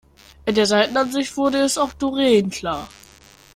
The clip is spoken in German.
In der Seitenansicht wurde es auch Doreen klar.